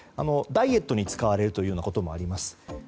ダイエットに使われることもあります。